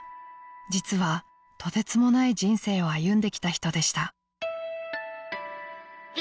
［実はとてつもない人生を歩んできた人でした］